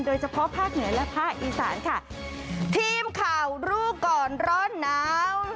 โดยเฉพาะภาคเหนือและภาคอีสานค่ะทีมข่าวรู้ก่อนร้อนหนาว